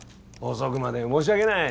遅くまで申し訳ない。